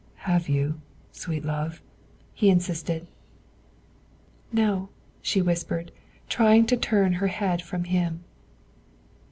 "Have you, sweet love?" he insisted. "No," she whispered, trying to turn her head from him.